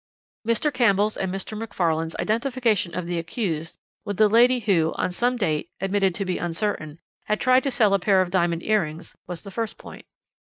"Mr. Campbell's and Mr. Macfarlane's identification of the accused with the lady who, on some date admitted to be uncertain had tried to sell a pair of diamond earrings, was the first point.